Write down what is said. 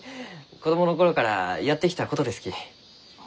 子供の頃からやってきたことですき。